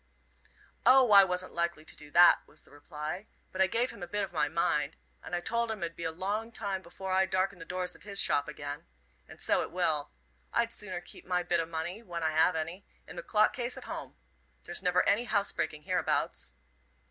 "O, I wasn't likely to do that," was the reply "but I gave him a bit of my mind, and I told him it 'ud be a long time afore I darkened the doors of his shop again. And so it will. I'd sooner keep my bit o' money, when I have any, in the clock case at home. There's never any housebreaking hereabouts."